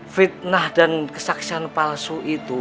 fitnah dan kesaksian palsu itu